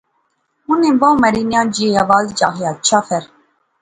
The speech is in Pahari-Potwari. انیں بہوں مری نیاں جیا آواز وچ آخیا۔۔۔ اچھا فیر